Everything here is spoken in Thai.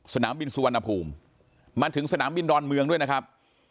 สนามบินสุวรรณภูมิมาถึงสนามบินดอนเมืองด้วยนะครับ